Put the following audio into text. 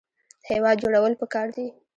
هیواد جوړول پکار دي